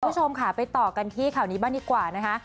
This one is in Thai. คุณผู้ชมค่ะไปต่อกันที่ข่าวนี้บ้างดีกว่านะคะ